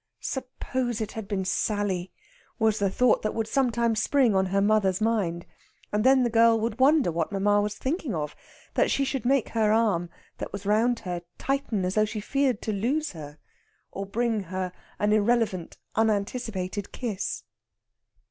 "Suppose it had been Sally!" was the thought that would sometimes spring on her mother's mind; and then the girl would wonder what mamma was thinking of that she should make her arm that was round her tighten as though she feared to lose her, or bring her an irrelevant, unanticipated kiss.